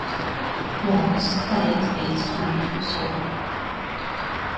Wall's play is based on a true story.